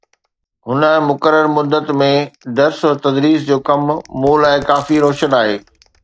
هن مقرر مدت ۾ درس و تدريس جو ڪم مون لاءِ ڪافي روشن آهي